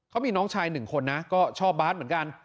เขามีน้องชายหนึ่งคนนะก็ชอบบาร์ดเหมือนกัน